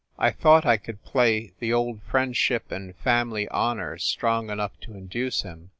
I thought I could play the old friendship and family honor strong enough to induce him.